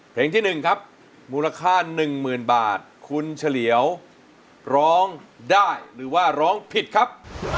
เพลงที่หนึ่งครับมูลค่าหนึ่งหมื่นบาทคุณเฉลยร้องได้หรือว่าร้องผิดครับ